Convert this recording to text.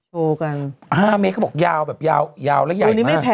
โธวกัน๕เมตรเขาบอกยาวแบบยาวและใหญ่๕